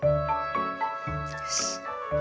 よし。